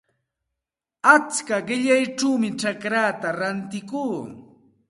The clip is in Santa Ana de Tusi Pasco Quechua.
Achka qillayćhawmi chacraata rantikuu.